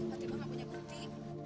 fatimah gak punya bukti